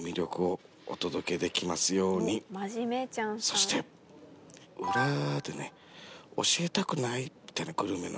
そして裏でね「教えたくない」みたいなグルメの。